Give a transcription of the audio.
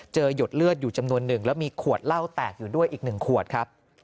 หยดเลือดอยู่จำนวนหนึ่งแล้วมีขวดเหล้าแตกอยู่ด้วยอีก๑ขวดครับ